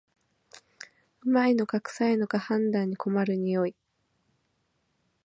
旨いのかくさいのか判別に困る匂い